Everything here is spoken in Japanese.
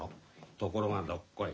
ところがどっこい。